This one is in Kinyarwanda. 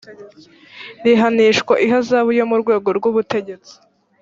rihanishwa ihazabu yo mu rwego rw’ ubutegetsi